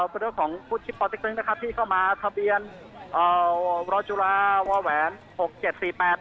ส่วนด้วยของที่เข้ามาทะเบียนเอ่อรถจุลาว่าแหวนหกเจ็ดสี่แปด